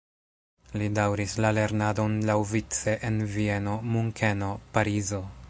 Li daŭris la lernadon laŭvice en Vieno, Munkeno, Parizo.